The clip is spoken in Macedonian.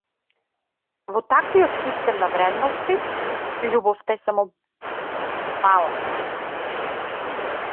Во таквиот систем на вредности љубовта е само баласт.